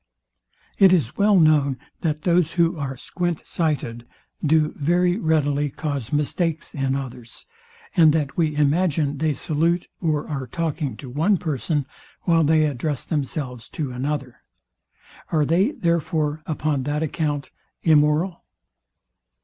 It is well known, that those who are squint sighted, do very readily cause mistakes in others, and that we imagine they salute or are talking to one person, while they address themselves to another. Are they therefore, upon that account, immoral?